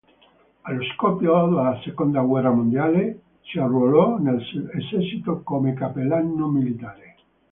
Allo scoppio della Seconda guerra mondiale si arruolò nell'esercito come cappellano militare.